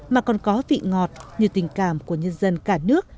mà còn có vị ngọt như tình cảm của nhân dân cả nước